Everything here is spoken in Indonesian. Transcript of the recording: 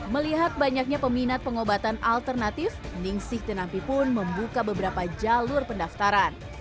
melihat banyaknya peminat pengobatan alternatif ning sik tenampi pun membuka beberapa jalur pendaftaran